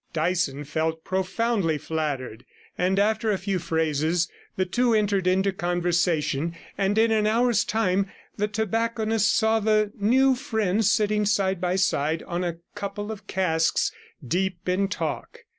Dyson felt profoundly flattered, and after a few phrases the two entered into conversation, and in an hour's time the tobacconist saw the new friends sitting side by side on a couple of casks, deep in talk.